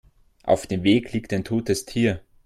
Auf dem Weg liegt ein totes Tier.